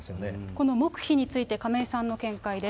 この黙秘について、亀井さんの見解です。